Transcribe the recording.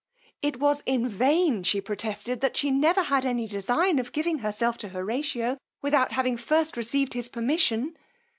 It was in vain she protested that she never had any design of giving herself to Horatio without having first received his permission.